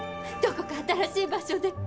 どこか新しい場所で。